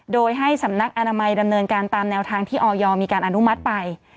โดยให้สำนักอนามัยดำเนินการตามแนวทางที่ออยมีการอนุมัติไป